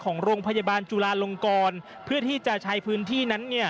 ของโรงพยาบาลจุลาลงกรเพื่อที่จะใช้พื้นที่นั้นเนี่ย